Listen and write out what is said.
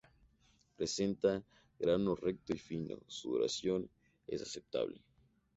Presenta grano recto y fino, su duración es aceptable.